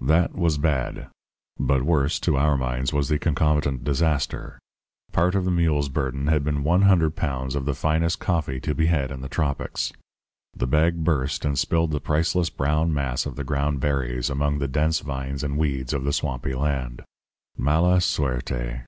That was bad; but worse, to our minds, was the concomitant disaster. Part of the mule's burden had been one hundred pounds of the finest coffee to be had in the tropics. The bag burst and spilled the priceless brown mass of the ground berries among the dense vines and weeds of the swampy land. _Mala suerte!